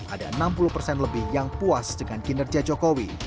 ada enam puluh persen lebih yang puas dengan kinerja jokowi